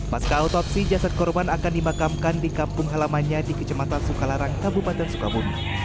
pasca otopsi jasad korban akan dimakamkan di kampung halamannya di kecematan sukalarang kabupaten sukabumi